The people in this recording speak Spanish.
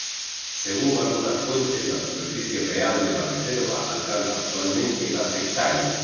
Según algunas fuentes, la superficie real de la reserva alcanza actualmente las ha.